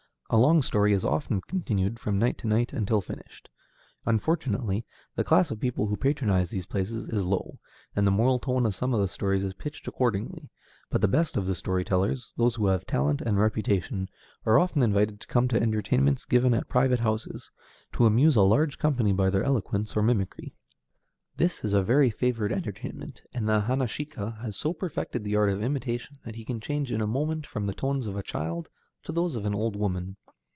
A long story is often continued from night to night until finished. Unfortunately, the class of people who patronize these places is low, and the moral tone of some of the stories is pitched accordingly; but the best of the story tellers those who have talent and reputation are often invited to come to entertainments given at private houses, to amuse a large company by their eloquence or mimicry. This is a very favorite entertainment, and the hanashika has so perfected the art of imitation that he can change in a moment from the tones of a child to those of an old woman.